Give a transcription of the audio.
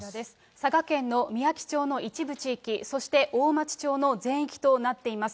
佐賀県のみやき町の一部地域、そして大町町の全域となっています。